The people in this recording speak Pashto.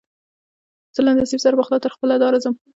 زه له نصیب سره پخلا تر خپله داره درځم